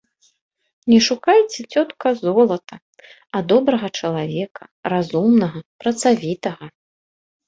Не шукайце, цётка, золата, а добрага чалавека, разумнага, працавітага.